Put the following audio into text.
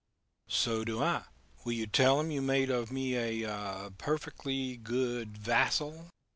"So do I. Will you tell him you have made of me a ... perfectly good vassal?"